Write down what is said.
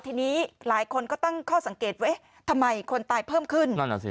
ทีนี้หลายคนก็ตั้งข้อสังเกตเว้ยทำไมคนตายเพิ่มขึ้น